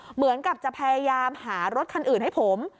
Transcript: เหมือนกับจะพยายามหารถคันอื่นให้ผม